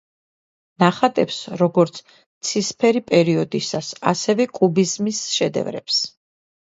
ნახატებს როგორც ცისფერი პერიოდისას, ასევე კუბიზმის შედევრებს.